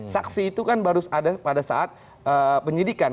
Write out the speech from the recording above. saksi itu kan baru ada pada saat penyidikan